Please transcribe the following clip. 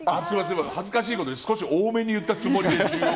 恥ずかしいことに少し多めに言ったつもりが。